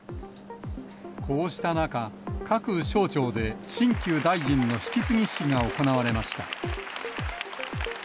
こうした中、各省庁で、新旧大臣の引き継ぎ式が行われました。